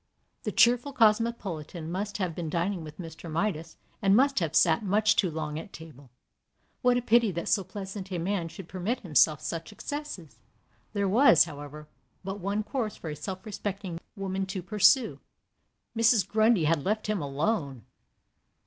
The cheerful cosmopolitan must have been dining with Mr. Midas, and must have sat much too long at table. What a pity that so pleasant a man should permit himself such excesses! There was, however, but one course for a self respecting woman to pursue Mrs. Grundy had left him alone.